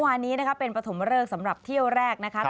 วันนี้เป็นประถมเลิกสำหรับเที่ยวแรกนะครับ